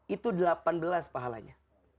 itu delapan belas pahalanya